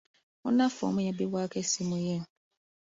Munnaffe omu yabbibwako essimu ye.